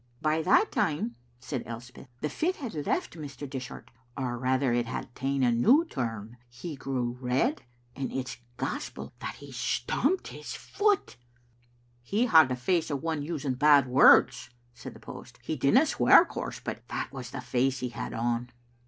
"But by that time," said Elspeth, "the fit had left Mr. Dishart, or rather it had ta'en a new turn. He grew red, and it's gospel that he stamped his foot." " He had the face of one using bad words," said the post, "He didna swear, of course, but that was the face he had on."